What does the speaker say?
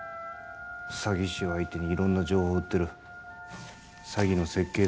詐欺師を相手に色んな情報を売ってる詐欺の設計